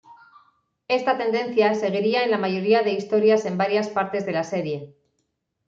Esta tendencia seguiría en la mayoría de historias en varias partes de la serie.